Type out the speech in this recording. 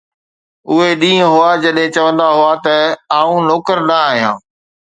اهي ڏينهن هئا، جڏهن چوندا هئا ته: ”آءٌ نوڪر نه آهيان.